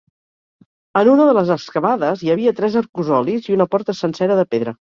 En una de les excavades hi havia tres arcosolis i una porta sencera de pedra.